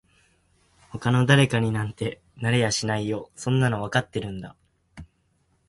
他の誰かになんてなれやしないよそんなのわかってるんだ